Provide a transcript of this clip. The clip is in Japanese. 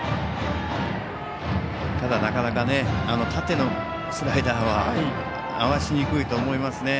ただ、なかなかあの縦のスライダーは合わせにくいと思います。